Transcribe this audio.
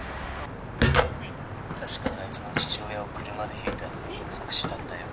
「確かにあいつの父親を車でひいた」「即死だったよ」